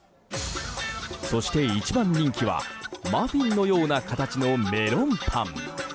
そして、一番人気はマフィンのような形のメロンパン。